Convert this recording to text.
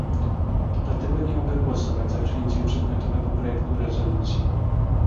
Dlatego nie mogę głosować za przyjęciem przedmiotowego projektu rezolucji